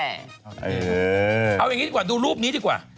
เอาอย่างนี้ดีกว่าดูรูปนี้ดีกว่า